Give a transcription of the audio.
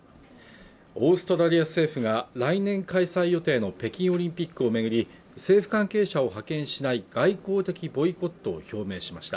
オーストラリア政府が来年開催予定の北京オリンピックをめぐり政府関係者を派遣しない外交的ボイコットを表明しました